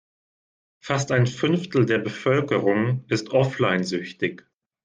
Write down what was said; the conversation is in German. Fast ein Fünftel der Bevölkerung ist offline-süchtig.